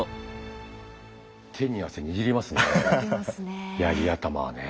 手に汗握りますね。